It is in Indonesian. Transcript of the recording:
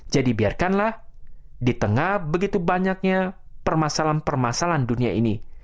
jadi biarkanlah di tengah begitu banyaknya permasalahan permasalahan dunia ini